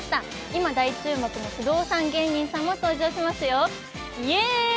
今、大注目の不動産芸人さんも登場しますよ。